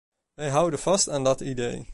Wij houden vast aan dat idee.